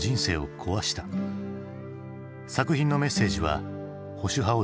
作品のメッセージは保守派を黙らせた。